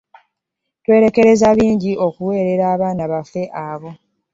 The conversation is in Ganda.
Twerekerezza bingi okuweerera abaana baffe abo.